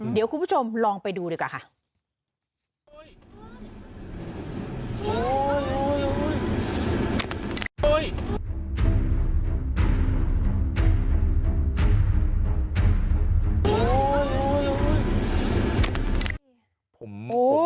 เดี๋ยวคุณผู้ชมลองไปดูดีกว่าค่ะ